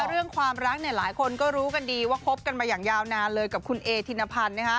เรื่องความรักหลายคนก็รู้กันดีว่าคบกันมาอย่างยาวนานเลยกับคุณเอธินพันธ์